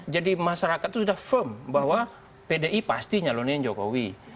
jadi masyarakat itu sudah firm bahwa pdi pasti nyalonin jokowi